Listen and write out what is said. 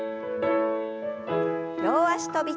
両脚跳び。